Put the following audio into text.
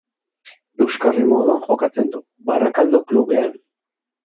Euskarri moduan jokatzen du, Barakaldo klubean.